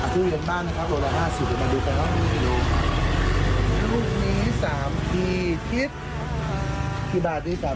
ทุเรียนนะครับ